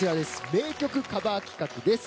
名曲カバー企画です。